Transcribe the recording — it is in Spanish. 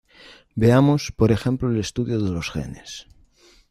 Veamos, por ejemplo el estudio de los genes.